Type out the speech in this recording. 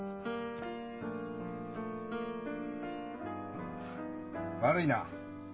あっ悪いな。